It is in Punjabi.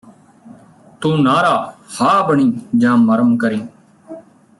ਤੂੰ ਨਾਅਰਾ ਹਾਅ ਬਣੀ ਜਾਂ ਮਰਮ ਕਰੀਂ